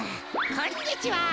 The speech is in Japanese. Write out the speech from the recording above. こんにちは！